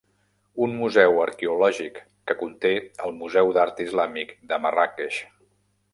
Un museu arqueològic, que conté el Museu d'Art Islàmic de Marràqueix.